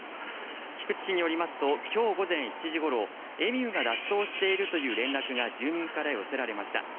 菊池市によりますと、きょう午前７時ごろ、エミューが脱走しているという連絡が住民から寄せられました。